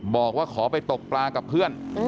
บอกว่าขอไปตกปลากับเพื่อน